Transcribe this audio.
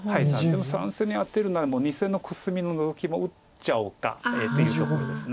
でも３線にアテるなら２線のコスミのノゾキも打っちゃおうかっていうところです。